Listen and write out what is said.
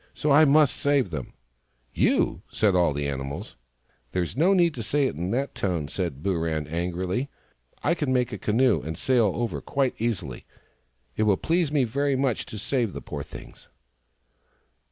So I must save them." " You !" said all the animals. " There's no need to say it in that tone !" said Booran angrily. " I can make a canoe and sail over quite easily. It will please me very much to save the poor things."